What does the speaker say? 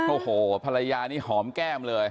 โอ้โหภรรยานี่หอมแก้มเลย